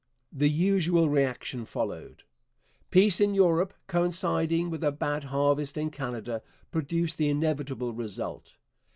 The usual reaction followed. Peace in Europe, coinciding with a bad harvest in Canada, produced the inevitable result.